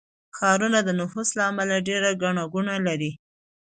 ښارونه د نفوس له امله ډېر ګڼه ګوڼه لري.